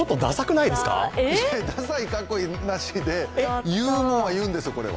ださいかっこいいなしで、ユーモアは言うもんは言うんですよ、これは。